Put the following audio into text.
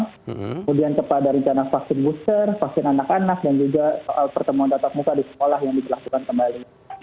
kemudian kepada rencana vaksin booster vaksin anak anak dan juga pertemuan tatap muka di sekolah yang diperlakukan kembali